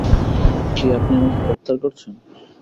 কি, আপনি আমাকে গ্রেপ্তার করছেন?